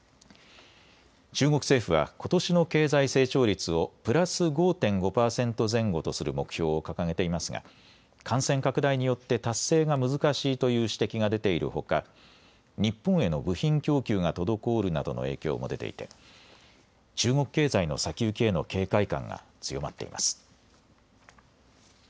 中国政府はことしの経済成長率をプラス５．５％前後とする目標を掲げていますが感染拡大によって達成が難しいという指摘が出ているほか日本への部品供給が滞るなどの影響も出ていて中国経済の先行きへの警戒感が強まっています。